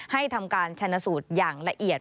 ให้ทำการชนะสูตรอย่างละเอียด